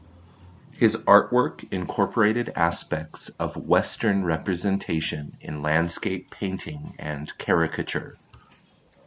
His artwork incorporated aspects of Western representation in landscape painting and caricature.